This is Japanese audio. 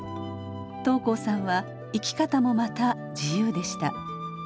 桃紅さんは生き方もまた自由でした。